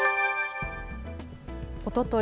おととい